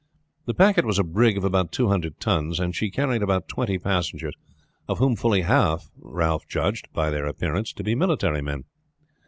The packet was a brig of about two hundred tons, and she carried about twenty passengers, of whom fully half Ralph judged by their appearance to be military men.